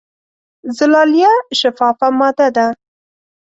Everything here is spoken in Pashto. زلالیه شفافه ماده ده.